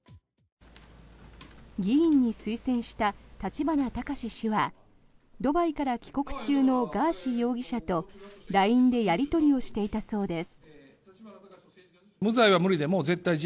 議員に推薦した立花孝志氏はドバイから帰国中のガーシー容疑者とＬＩＮＥでやり取りをしていたそうです。